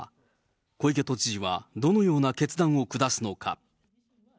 小池都知事はどのような決断を下すのか。